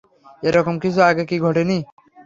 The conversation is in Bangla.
এরকম কিছু আগে কি ঘটেনি?